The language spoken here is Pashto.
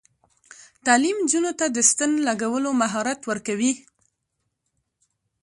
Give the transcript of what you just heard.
تعلیم نجونو ته د ستن لګولو مهارت ورکوي.